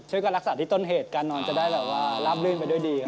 การรักษาที่ต้นเหตุการนอนจะได้แบบว่าราบลื่นไปด้วยดีครับ